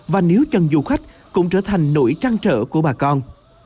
và nếu chân du khách cũng trở thành nỗi trăng trở của bà con